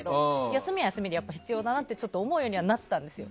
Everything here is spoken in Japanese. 休みは休みでやっぱり必要だなと思うようにはなったんですよ。